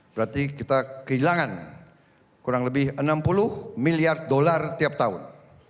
berarti kita kehilangan kurang lebih enam puluh miliar dolar tiap tahun